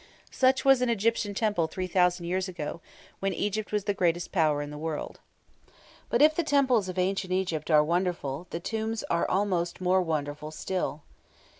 Such was an Egyptian temple 3,000 years ago, when Egypt was the greatest power in the world. But if the temples of ancient Egypt are wonderful, the tombs are almost more wonderful still.